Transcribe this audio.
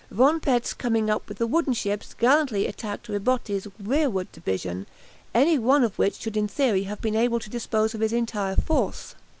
Von Petz coming up with the wooden ships gallantly attacked Ribotti's rearward division, any one of which should in theory have been able to dispose of his entire force.